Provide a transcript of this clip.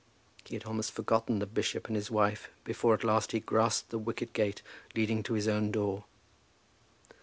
He had almost forgotten the bishop and his wife before at last he grasped the wicket gate leading to his own door.